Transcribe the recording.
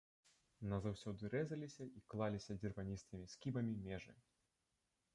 Назаўсёды рэзаліся і клаліся дзірваністымі скібамі межы.